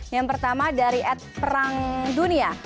yang pertama dari ad perang dunia